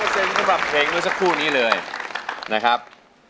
๑๐๐สำหรับเพลงนี้สักครู่นี้เลยนะครับ